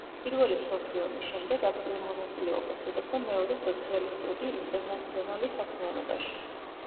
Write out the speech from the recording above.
პირველი მსოფლიო ომის შემდეგ აქტიურ მონაწილეობას იღებდა მეორე სოციალისტური ინტერნაციონალის საქმიანობაში.